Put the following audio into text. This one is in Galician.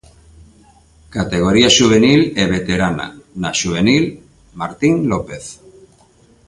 Categoría xuvenil e veterana Na xuvenil, Martín López.